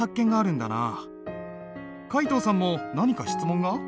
皆藤さんも何か質問が？